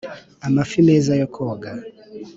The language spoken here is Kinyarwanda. amafi meza yo koga